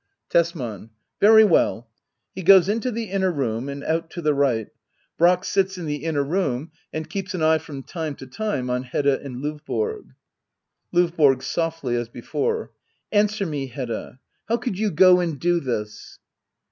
Tesman. Very well. \He goes into the inner room and out to the right. Brack sits in the inner room, and keeps an eye from time to time on Hedda and Lovboro. L&YBORO. \Sofily, as before,"] Answer me, Hedda — ^how could you go and do this